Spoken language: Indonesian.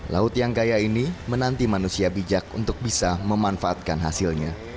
laut yang kaya ini menanti manusia bijak untuk bisa memanfaatkan hasilnya